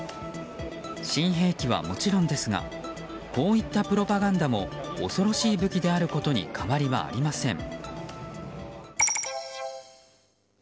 新兵器はもちろんですがこういったプロパガンダも恐ろしい武器であることに変わりはありません。